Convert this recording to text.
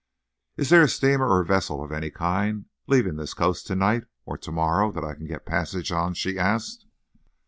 "Is there a steamer or a vessel of any kind leaving this coast to night or to morrow that I can get passage on?" she asked.